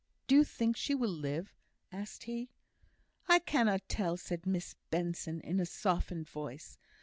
"Do you think she will live?" asked he. "I cannot tell," said Miss Benson, in a softened voice.